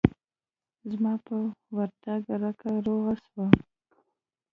زما په ورتگ رکه روغه سوه.